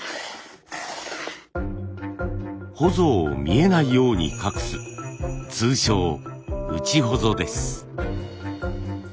ほぞを見えないように隠す通称内ほぞです。